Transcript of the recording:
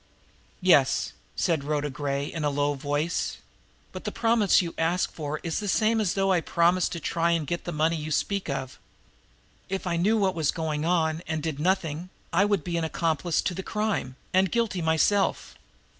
"Yes," said Rhoda Gray in a low voice; "but the promise you ask for is the same as though I promised to try to get the money you speak of. If I knew what was going on, and did nothing, I would be an accomplice to the crime, and guilty myself."